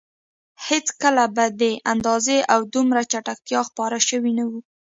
هېڅکله په دې اندازه او دومره چټکتیا خپاره شوي نه وو.